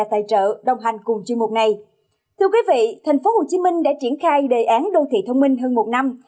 thành phố hồ chí minh đã triển khai đề án đô thị thông minh hơn một năm